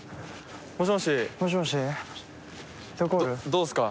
どうっすか？